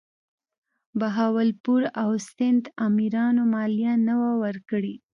بهاولپور او سند امیرانو مالیات نه وه ورکړي.